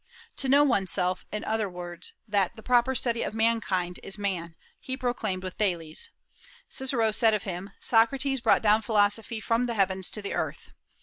To know one's self, in other words, that "the proper study of mankind is man," he proclaimed with Thales. Cicero said of him, "Socrates brought down philosophy from the heavens to the earth."